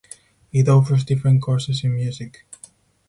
It offers different courses in music.